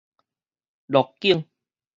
鹿頸